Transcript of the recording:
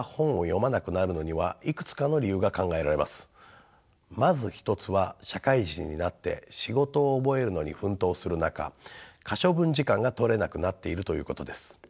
まず１つは社会人になって仕事を覚えるのに奮闘する中可処分時間が取れなくなっているということです。